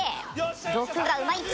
毒がうまいッチ。